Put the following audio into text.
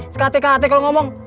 sekatek katek lu ngomong